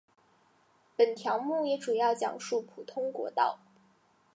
本条目也主要讲述普通国道。